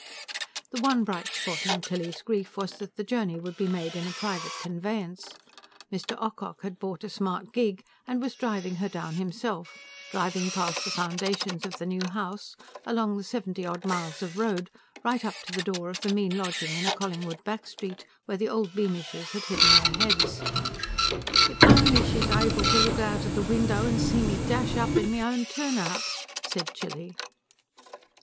The one bright spot in Tilly's grief was that the journey would be made in a private conveyance. Mr. Ocock had bought a smart gig and was driving her down himself; driving past the foundations of the new house, along the seventy odd miles of road, right up to the door of the mean lodging in a Collingwood back street, where the old Beamishes had hidden their heads. "If only she's able to look out of the window and see me dash up in my own turn out!" said Tilly.